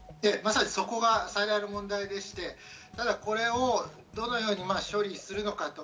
まさにそこが一番の問題でして、これをどのように処理するのか。